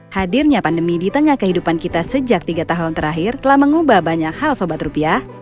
hadirnya pandemi di tengah kehidupan kita sejak tiga tahun terakhir telah mengubah banyak hal sobat rupiah